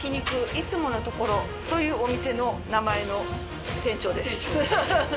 いつものところというお店の名前の店長です。